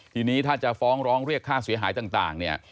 ทีนี้ถ้าจะฟ้องร้องเรียกค่าเสียหายต่างเนี่ย